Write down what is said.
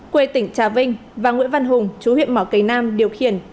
quê tỉnh trà vinh và nguyễn văn hùng chú huyện mỏ cầy nam điều khiển